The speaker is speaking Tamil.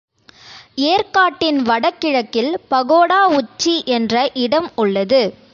ஏர்க்காட்டின் வட கிழக்கில் பகோடா உச்சி என்ற இடம் உள்ளது.